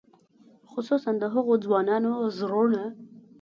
خصوصاً د هغو ځوانانو زړونه.